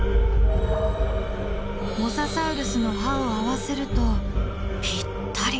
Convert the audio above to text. モササウルスの歯を合わせるとぴったり。